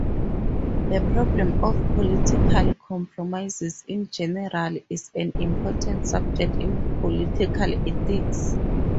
The problem of political compromise in general is an important subject in political ethics.